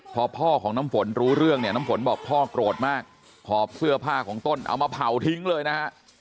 พอพ่อของน้ำฝนรู้เรื่องเนี่ยน้ำฝนบอกพ่อโกรธมากหอบเสื้อผ้าของต้นเอามาเผาทิ้งเลยนะฮะ